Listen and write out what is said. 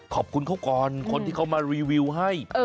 ขอบคุณเขาก่อนคนที่เขามารีวิวให้